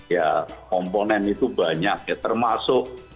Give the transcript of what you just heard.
ya komponen itu banyak ya termasuk